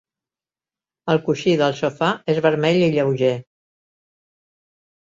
El coixí del sofà és vermell i lleuger.